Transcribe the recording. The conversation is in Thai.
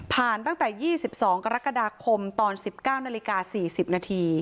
ผ่านตั้งแต่๒๒กรกฎาคมตอน๑๙น๔๐น